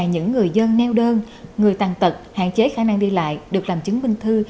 những người dân neo đơn người tàn tật hạn chế khả năng đi lại được làm chứng minh thư